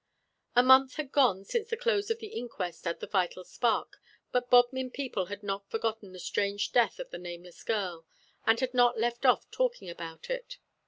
A month had gone since the close of the inquest at the Vital Spark, but Bodmin people had not forgotten the strange death of the nameless girl, and had not left off talking about it.